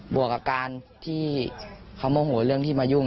วกกับการที่เขาโมโหเรื่องที่มายุ่ง